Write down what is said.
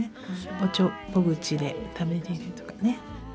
おちょぼ口で食べれるとかね。